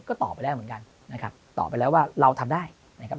ก็ตอบไปแล้วเหมือนกันนะครับตอบไปแล้วว่าเราทำได้นะครับ